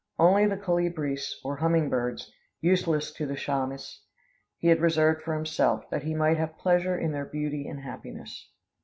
Only the colibris or humming birds, useless to the Chaymas, he had reserved for himself, that he might have pleasure in their beauty and happiness.